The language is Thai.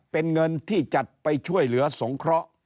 เป็นเงินที่จัดไปช่วยเหลือสงเคราะห์